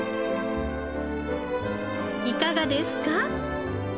いかがですか？